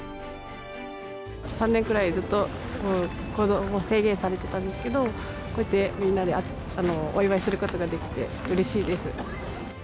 ３年くらいずっと行動も制限されてたんですけど、こうやってみんなでお祝いすることができてうれしいです。